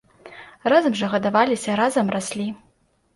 Разам жа гадаваліся, разам раслі.